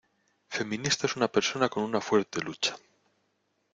Feminista es una persona con una fuerte lucha.